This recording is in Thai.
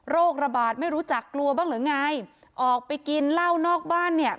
ระบาดไม่รู้จักกลัวบ้างหรือไงออกไปกินเหล้านอกบ้านเนี่ย